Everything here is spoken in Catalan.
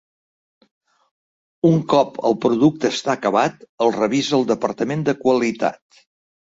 Un cop el producte està acabat el revisa el departament de qualitat.